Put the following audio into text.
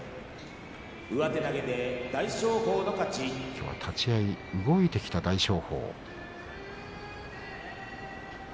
きょうは立ち合い動いてきた大翔鵬。